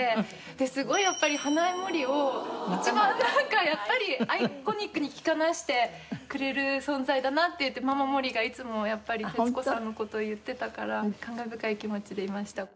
すごいやっぱりＨＡＮＡＥＭＯＲＩを一番なんかやっぱりアイコニックに着こなしてくれる存在だなっていってママ森がいつもやっぱり徹子さんの事言ってたから感慨深い気持ちでいました。